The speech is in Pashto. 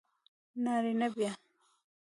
نارینه بیا